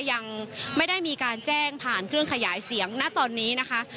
ยังไม่ได้มีการแจ้งผ่านเครื่องขยายเสียงณตอนนี้นะคะ